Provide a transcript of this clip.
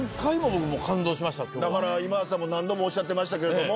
だから今田さんも何度もおっしゃってましたけれども。